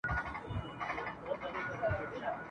ریښتیا زوال نه لري !.